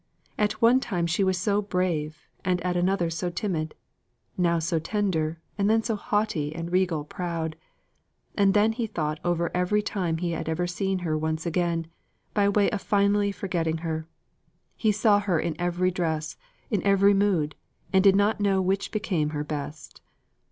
At one time she was so brave, and at another so timid; now so tender, and then so haughty and regal proud. And then he thought over every time he had ever seen her once again, by way of finally forgetting her. He saw her in every dress, in every mood, and did not know which became her best.